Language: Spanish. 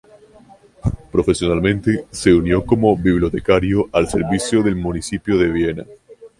Profesionalmente, se unió como bibliotecario al servicio del municipio de Viena.